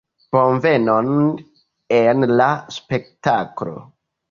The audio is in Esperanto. Bonvenon en la spektaklo!